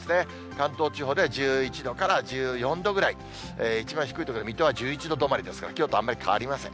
関東地方で１１度から１４度くらい、一番低い所で水戸は１１度止まりですから、きょうとあんまり変わりません。